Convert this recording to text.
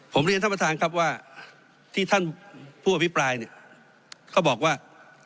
ผมเรียนท่านประธานครับว่าที่ท่านผู้อภิปรายเนี่ยเขาบอกว่า